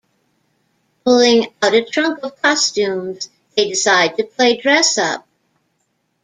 Pulling out a trunk of costumes, they decide to play dress up.